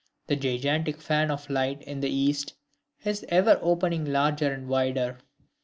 The gigantic fan of light in the East is ever opening larger and wider.